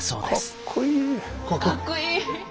かっこいい。